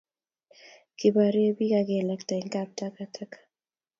kiborei biik akelakta eng' kaptakataka